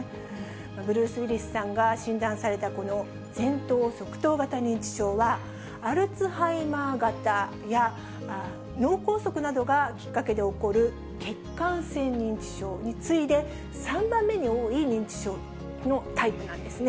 ブルース・ウィリスさんが診断されたこの前頭側頭型認知症は、アルツハイマー型や、脳梗塞などがきっかけで起こる血管性認知症に次いで、３番目に多い認知症のタイプなんですね。